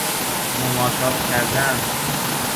مماشات کردن